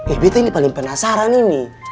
eh bt ini paling penasaran ini